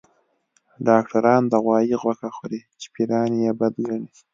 ډاکټران د غوايي غوښه خوري چې پيريان يې بد ګڼي